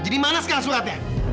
jadi mana sekarang suratnya